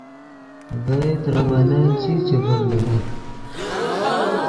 ڤئے ترے ملن چی چے ڤرڑیت